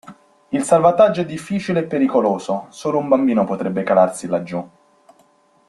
Il salvataggio è difficile e pericoloso: solo un bambino potrebbe calarsi laggiù.